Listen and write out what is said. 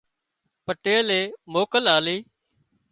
پٽيلي موڪل آلِي